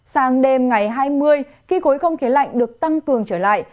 sang đêm ngày hai mươi khi khối không khí lạnh được tăng cường trở lại